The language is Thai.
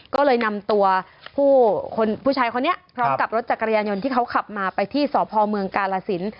ก็เลยนำตัวผู้คนผู้ชายคนนี้พร้อมกับรถจักรยานยนต์ที่เขาขับมาไปที่สพเมืองกาลสิน